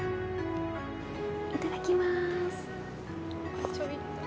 いただきます。